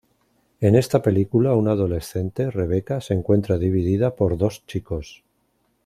En esta película una adolescente, Rebecca, se encuentra dividida por dos chicos.